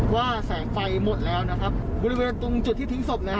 ว่าแสงไฟหมดแล้วนะครับบริเวณตรงจุดที่ทิ้งศพแล้ว